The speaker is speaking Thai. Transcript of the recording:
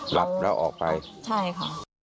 หลับแล้วออกไปใช่ค่ะ